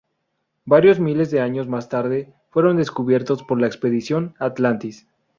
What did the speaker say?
Varios miles de años más tarde, fueron descubiertos por la expedición Atlantis.